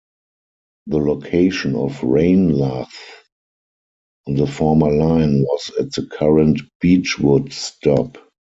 The location of Ranelagh on the former line was at the current Beechwood stop.